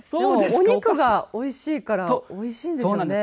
お肉がおいしいからおいしいんですよね。